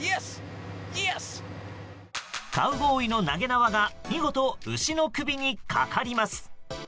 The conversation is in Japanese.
カウボーイの投げ縄が見事、牛の首にかかります。